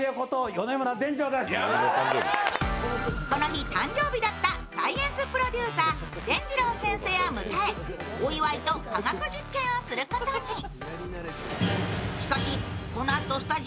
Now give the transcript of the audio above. この日誕生日だったサイエンスプロデューサー、でんじろう先生を迎えお祝いと科学実験をすることに。